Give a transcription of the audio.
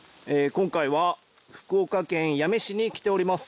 今回は福岡県八女市に来ております。